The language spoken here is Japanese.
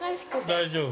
◆大丈夫。